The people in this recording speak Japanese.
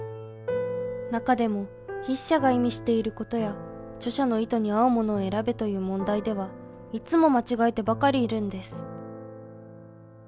中でも筆者が意味していることや著者の意図に合うものを選べという問題ではいつも間違えてばかりいるんです。